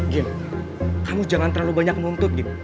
gin kamu jangan terlalu banyak nuntut gin